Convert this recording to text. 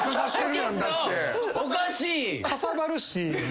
かさばるし。